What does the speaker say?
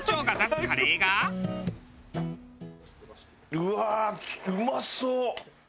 うわあうまそう！